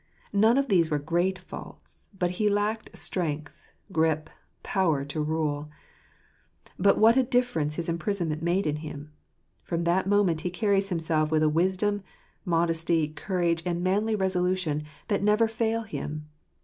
None of I these were great faults ; but he lacked strength, grip, power j to rule. But what a difference his imprisonment made in [ him ! From that moment he carries himself with a j wisdom, modesty, courage, and manly resolution, that never. ; fail him.